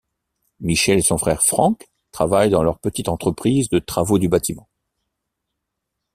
Michel et son frère Franck travaillent dans leur petite entreprise de travaux du bâtiment.